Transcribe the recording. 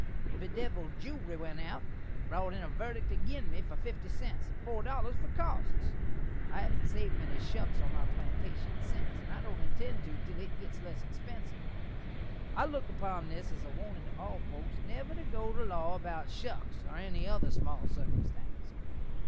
The bedevild jewry went out, and brot in a verdik agin me for fifty cents, and four dollars for costs. I hain't saved many shuks on my plantashun sence, and I don't intend to til it gits less xpensiv! I look upon this as a warnin' to all foaks never to go to law about shuks, or any other small sirkumstanse.